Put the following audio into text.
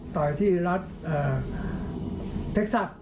ต่อยาที่รัฐเทคซัส